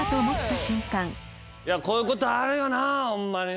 「こういうことあるよなホンマにな」